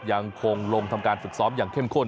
ยังคงลงทำการฝึกซ้อมอย่างเข้มข้น